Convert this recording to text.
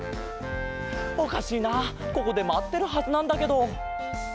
おかしいなここでまってるはずなんだけど。